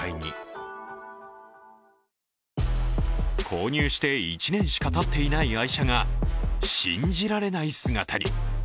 購入して１年しかたっていない愛車が信じられない姿に。